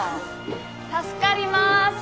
助かります。